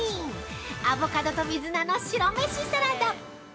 アボカドと水菜の白飯サラダ。